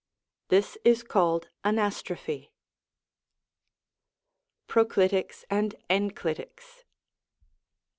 This is called anast/ropTie. PKOCLinCS AKD ENCLITICS.